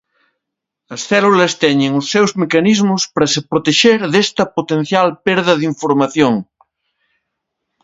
As células teñen os seus mecanismos para se protexer desta potencial perda de información.